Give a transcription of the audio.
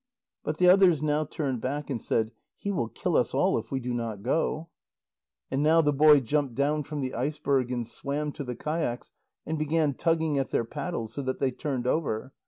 But the others now turned back, and said: "He will kill us all if we do not go." And now the boy jumped down from the iceberg and swam to the kayaks and began tugging at their paddles, so that they turned over.